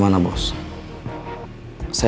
aku sudah selesai